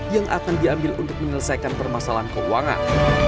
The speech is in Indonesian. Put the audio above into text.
yang akan diambil untuk menyelesaikan permasalahan keuangan